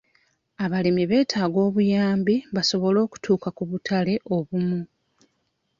Abalimi beetaaga obuyambi basobole okutuuka ku butale obumu